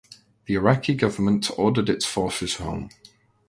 The Iraqi government ordered its forces home.